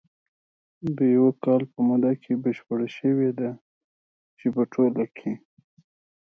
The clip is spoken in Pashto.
د یوه کال په موده کې بشپره شوې ده، چې په ټوله کې